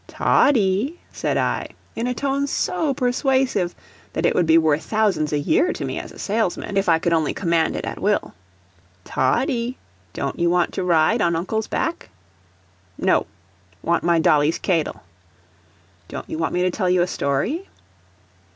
"Toddie," said I, in a tone so persuasive that it would be worth thousands a year to me, as a salesman, if I could only command it at will; "Toddie, don't you want to ride on uncle's back?" "No: want my dolly's k'adle." "Don't you want me to tell you a story?"